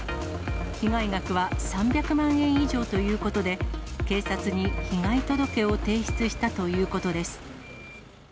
被害額は３００万円以上ということで、警察に被害届を提出したということです。